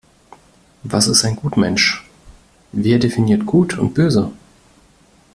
Was ist ein Gutmensch? Wer definiert Gut und Böse?